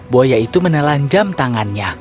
buaya itu menelan jam tangannya